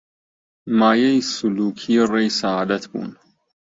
مایەی سولووکی ڕێی سەعادەت بوون